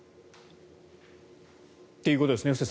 ということですね。